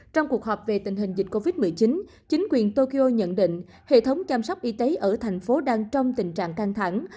trong cuộc họp về tình hình dịch covid một mươi chín chính quyền tokyo nhận định hệ thống chăm sóc y tế ở thành phố đang trong tình trạng căng thẳng